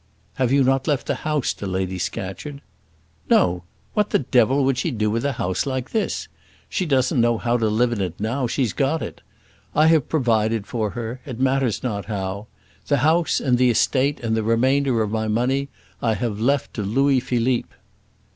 "Have you not left the house to Lady Scatcherd?" "No; what the devil would she do with a house like this? She doesn't know how to live in it now she has got it. I have provided for her; it matters not how. The house and the estate, and the remainder of my money, I have left to Louis Philippe."